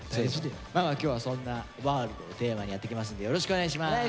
まあまあ今日はそんな「ＷＯＲＬＤ」をテーマにやっていきますんでよろしくお願いします。